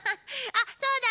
あそうだ。